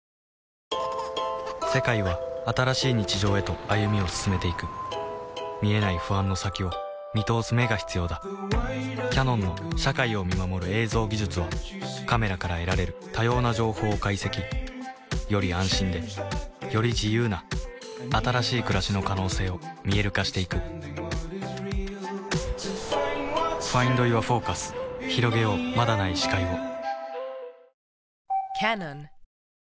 世界は新しい日常へと歩みを進めていく見えない不安の先を見通す眼が必要だキヤノンの社会を見守る映像技術はカメラから得られる多様な情報を解析より安心でより自由な新しい暮らしの可能性を見える化していくひろげようまだない視界をパパ。